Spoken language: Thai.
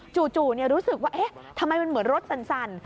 จู่รู้สึกว่าเอ๊ะทำไมมันเหมือนรถสั่น